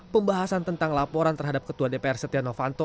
pembahasan tentang laporan terhadap ketua dpr setia novanto